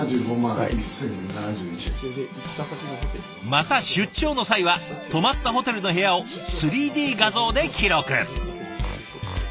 また出張の際は泊まったホテルの部屋を３Ｄ画像で記録。